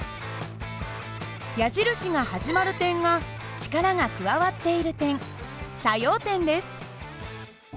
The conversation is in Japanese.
矢印が始まる点が力が加わっている点作用点です。